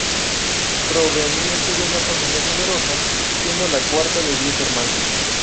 Proveniente de una familia numerosa, siendo la cuarta de diez hermanos.